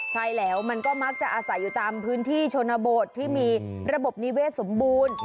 ใช่แล้วมันก็มักจะอาศัยอยู่ตามพื้นที่ชนบทที่มีระบบนิเวศสมบูรณ์